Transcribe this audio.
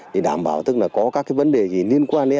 để đảm bảo có các vấn đề gì liên quan đến an ninh